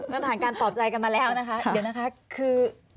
มันผ่านการปลอบใจกันมาแล้วนะคะเดี๋ยวนะคะคือ